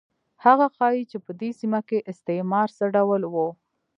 هغه ښيي چې په دې سیمه کې استعمار څه ډول و.